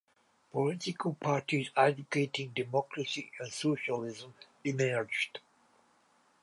Political parties advocating democracy and socialism emerged.